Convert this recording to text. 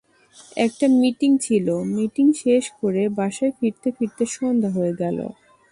একটা মীটিং ছিল, মীটিং শেষ করে বাসায় ফিরতে-ফিরতে সন্ধ্যা হয়ে গেল।